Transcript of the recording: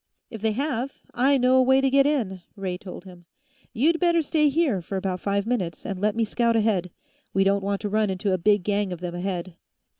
"If they have, I know a way to get in," Ray told him. "You'd better stay here for about five minutes, and let me scout ahead. We don't want to run into a big gang of them ahead."